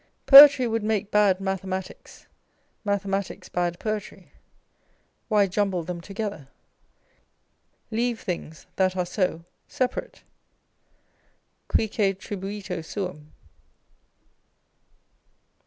Poetry would make bad mathematics, mathematics bad poetry: why jumble them together? Leave things, that are so, separate. Cuique tribuito suum.